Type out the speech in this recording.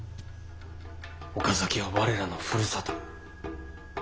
岡崎は我らのふるさと。